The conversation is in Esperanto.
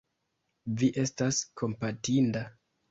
Vi estas kompatinda.